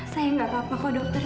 saya nggak apa apa kok dokter